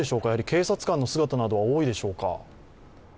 警察官の姿などは多いでしょうか？